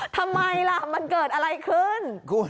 ทำไมล่ะมันเกิดอะไรขึ้น